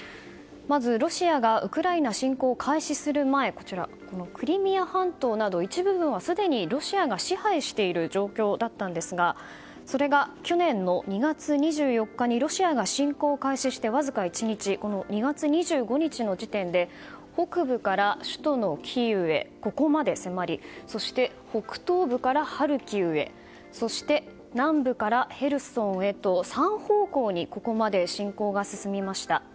まずロシアがウクライナ侵攻を開始する前クリミア半島など一部分はすでにロシアが支配している状況だったんですがそれが去年の２月２４日にロシアが侵攻を開始してわずか１日２月２５日の時点で北部から首都キーウへここまで迫りそして北東部からハルキウへそして南部からヘルソンへと３方向にここまで侵攻が進みました。